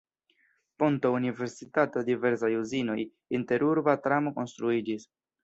Ponto, universitato, diversaj uzinoj, interurba tramo konstruiĝis.